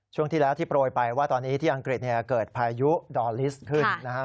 ช่วงที่แล้วที่โปรยไปว่าตอนนี้ที่อังกฤษเกิดพายุดอลลิสขึ้นนะฮะ